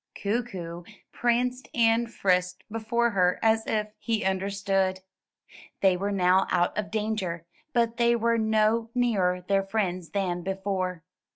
Kookoo pranced and frisked before her as if he understood. They were now out of danger, but they were no nearer their friends than before.